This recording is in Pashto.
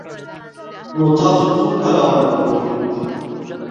_نو تاسو څو کاله عمر کوئ؟